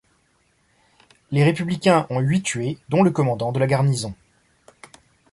Les républicains ont huit tués dont le commandant de la garnison.